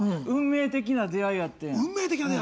運命的な出会いやってん。